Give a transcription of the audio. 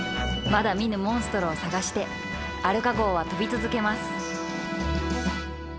まだ見ぬモンストロを探してアルカ号は飛び続けます